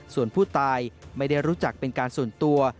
ส่วนผู้ตายไม่ได้รู้จักเป็นการส่วนตัว